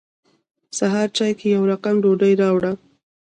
سهار چای کې یې يو رقم ډوډۍ راوړه.